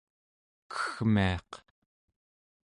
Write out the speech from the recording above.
keggmiaq